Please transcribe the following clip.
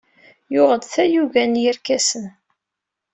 Yuɣ-d tayuga n yirkasen.